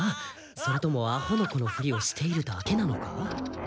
それともアホの子のふりをしているだけなのか？